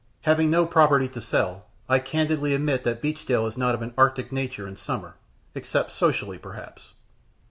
Having no property to sell, I candidly admit that Beachdale is not of an arctic nature in summer, except socially, perhaps.